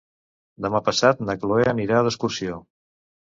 Demà passat na Cloè anirà d'excursió.